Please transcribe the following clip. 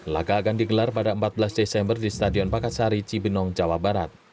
laga akan digelar pada empat belas desember di stadion pakasari cibinong jawa barat